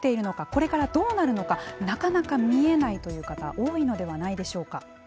これから、どうなるのかなかなか見えないという方多いのではないでしょうか。